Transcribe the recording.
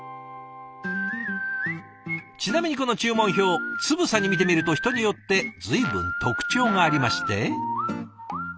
ちなみにこの注文表つぶさに見てみると人によって随分特徴がありまして。